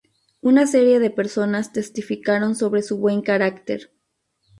Una serie de personas testificaron sobre su buen carácter.